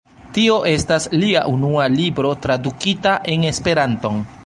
Tio estas lia unua libro tradukita en Esperanton.